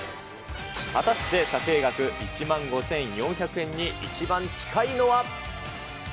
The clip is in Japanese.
果たして査定額１万５４００円に一番近いのは？